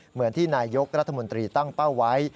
เหมือนที่นายกรัฐมนตรีตั้งเป้าไว้